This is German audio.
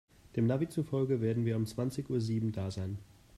Dem Navi zufolge werden wir um zwanzig Uhr sieben da sein.